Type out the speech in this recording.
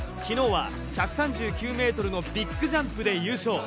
昨日は１３９メートルのビッグジャンプで優勝。